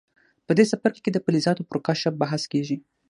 په دې څپرکي کې د فلزاتو پر کشف بحث کیږي.